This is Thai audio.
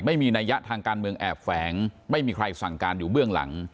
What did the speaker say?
นัยยะทางการเมืองแอบแฝงไม่มีใครสั่งการอยู่เบื้องหลัง